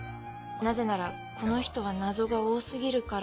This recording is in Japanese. なぜならこの人は謎が多すぎるから